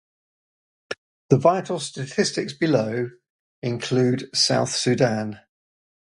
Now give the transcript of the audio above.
The vital statistics below include South Sudan.